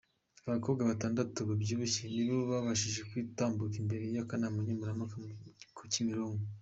Abakobwa batandatu babyibushye nibo bashije gutambuka imbere y’akanama nkemurampaka ku kimironko.